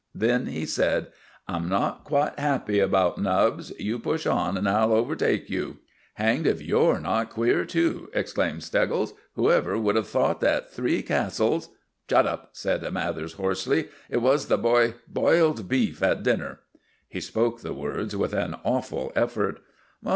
Then he said: "I'm not quite happy about Nubbs. You push on, and I'll overtake you." "Hanged if you're not queer too!" exclaimed Steggles. "Whoever would have thought that Three Castles " "Shut up," said Mathers, hoarsely. "It was the boi boiled beef at dinner." He spoke the words with an awful effort.